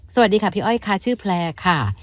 สวัสดีค่ะพี่อ้อยค่ะชื่อแพลร์ค่ะ